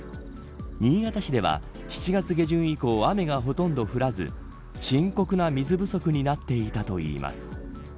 新潟市では、７月下旬以降雨がほとんど降らず深刻な水不足になっていたといいます。